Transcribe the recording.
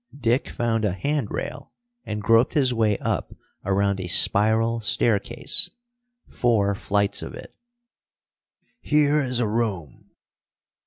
Dick found a handrail and groped his way up around a spiral staircase, four flights of it. "Here is a room!"